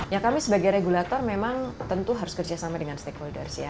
ya kami sebagai regulator memang tentu harus kerjasama dengan stakeholders ya